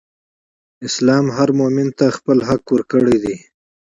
اسلام هر مؤمن ته خپل حق ورکړی دئ.